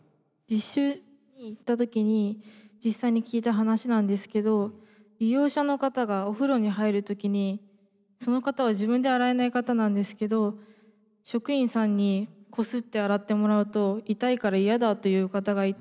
実習に行った時に実際に聞いた話なんですけど利用者の方がお風呂に入る時にその方は自分で洗えない方なんですけど職員さんにこすって洗ってもらうと痛いから嫌だという方がいて。